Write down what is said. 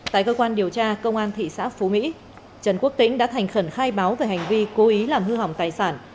tại cơ quan điều tra công an thị xã phú mỹ trần quốc tĩnh đã thành khẩn khai báo về hành vi cố ý làm hư hỏng tài sản